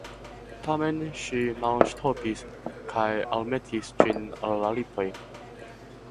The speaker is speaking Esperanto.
Tamen ŝi malŝtopis kaj almetis ĝin al la lipoj.